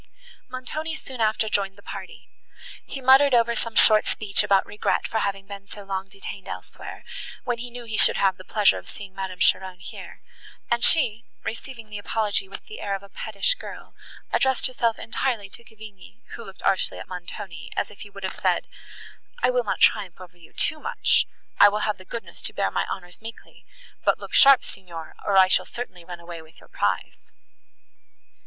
Montoni soon after joined the party. He muttered over some short speech about regret for having been so long detained elsewhere, when he knew he should have the pleasure of seeing Madame Cheron here; and she, receiving the apology with the air of a pettish girl, addressed herself entirely to Cavigni, who looked archly at Montoni, as if he would have said, "I will not triumph over you too much; I will have the goodness to bear my honours meekly; but look sharp, Signor, or I shall certainly run away with your prize."